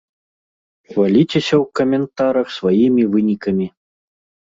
Хваліцеся ў каментарах сваімі вынікамі!